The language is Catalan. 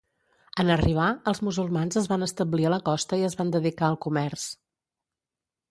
En arribar, els musulmans es van establir a la costa i es van dedicar al comerç.